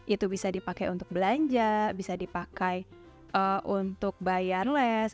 itu bisa dipakai untuk belanja bisa dipakai untuk bayar les